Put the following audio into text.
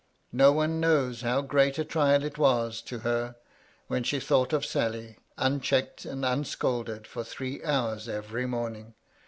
No one knows how great a trial it was to her when she thought of Sally, unchecked and un scolded for three hours every morning.